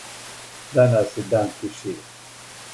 Данас је дан тишине.